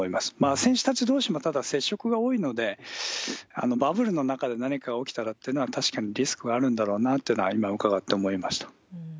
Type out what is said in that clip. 選手たちどうしも、ただ、接触が多いので、バブルの中で何か起きたらっていうのは、確かにリスクはあるんだろうなというのは、今伺って思いました。